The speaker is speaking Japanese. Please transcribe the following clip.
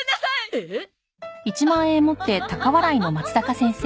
えっ！？